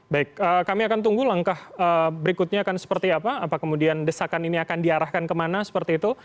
baik kami akan tunggu langkah berikutnya akan seperti apa apa kemudian desakan ini akan diarahkan kemana seperti itu